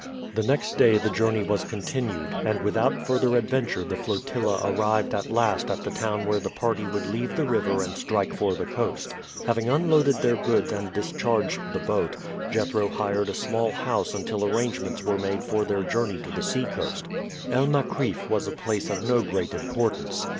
The next day the journey was continued, and without further adventure the flotilla arrived at last at the town where the party would leave the river and strike for the coast. Having unloaded their goods and discharged the boat, Jethro hired a small house until arrangements were made for their journey to the seacoast. El Makrif[D] was a place of no great importance.